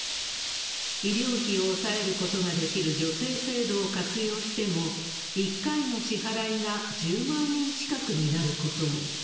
医療費を抑えることができる助成制度を活用しても、１回の支払いが１０万円近くになることも。